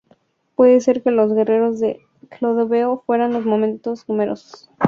Puede ser que los guerreros de Clodoveo fueran los menos numerosos.